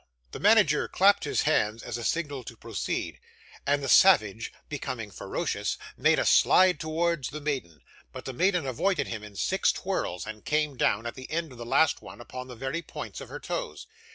The manager clapped his hands as a signal to proceed, and the savage, becoming ferocious, made a slide towards the maiden; but the maiden avoided him in six twirls, and came down, at the end of the last one, upon the very points of her toes.